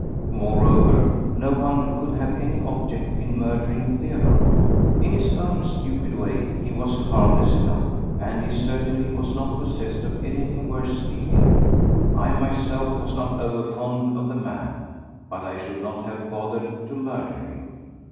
Moreover, no one could have any object in murdering Theodore. In his own stupid way he was harmless enough, and he certainly was not possessed of anything worth stealing. I myself was not over fond of the man—but I should not have bothered to murder him.